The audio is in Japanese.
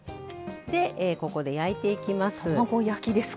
ここで焼いていきます。